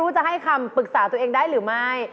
จะให้คำปรึกษาตัวเองได้หรือไม่